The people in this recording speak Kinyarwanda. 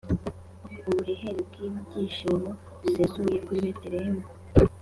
ubuhehere bw’ibyishimo bwisesuye kuri betelehemu